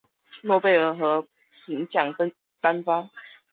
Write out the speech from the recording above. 诺贝尔和平奖颁发。